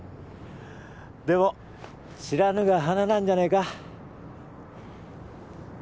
でも知らぬが花なんじゃねえか